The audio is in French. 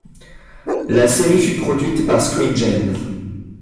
La série fut produite par Screen Gems.